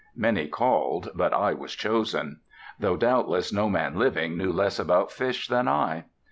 Many called, but I was chosen. Though, doubtless, no man living knew less about fish than I.